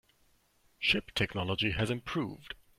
Ship technology has improved.